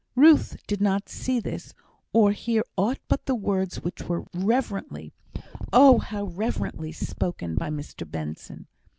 Ruth did not see this, or hear aught but the words which were reverently oh, how reverently! spoken by Mr Benson.